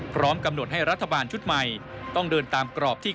พร้อมกำหนดให้รัฐบาลชุดใหม่ต้องเดินตามกรอบที่